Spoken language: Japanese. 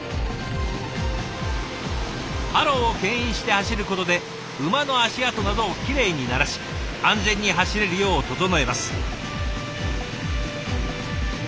ハローをけん引して走ることで馬の足跡などをきれいにならし安全に走れるよう整えます。